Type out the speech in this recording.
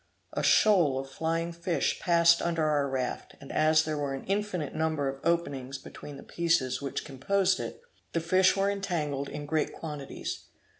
A shoal of flying fish passed under our raft, and as there were an infinite number of openings between the pieces which composed it, the fish were entangled in great quantities.